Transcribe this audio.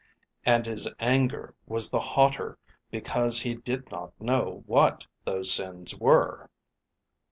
And his anger was the hotter because he did not know what those sins were.